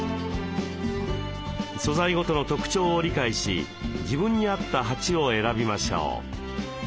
素材ごとの特徴を理解し自分にあった鉢を選びましょう。